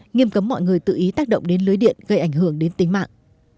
nghiêm cấm mọi người tự ý tác động đến lưới điện gây ảnh hưởng đến tính mạng